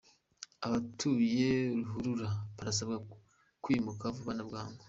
Abaturiye ruhurura barasabwa kwimuka vuba na bwangu